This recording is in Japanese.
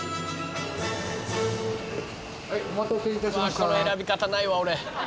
この選び方ないわ俺。